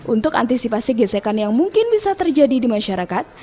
untuk antisipasi gesekan yang mungkin bisa terjadi di masyarakat